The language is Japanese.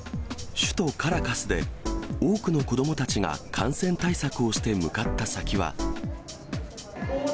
首都カラカスで、多くの子どもたちが感染対策をして向かった先は。